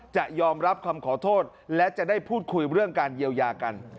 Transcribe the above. จะยอมรับคำขอโทษและจะได้พูดคุยเรื่องการเยียวยากัน